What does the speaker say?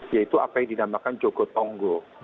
yaitu apa yang dinamakan jogotongo